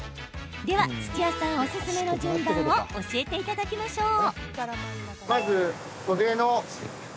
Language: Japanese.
では、土屋さんおすすめの順番を教えていただきましょう。